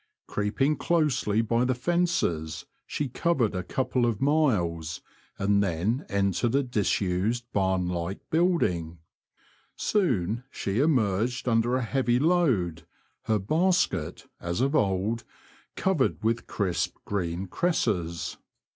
Creeping closely by the fences she covered a couple of miles, and then entered a disused, barn like building. Soon she emerged under a heavy load, her basket, as of old, covered with crisp, green cresses.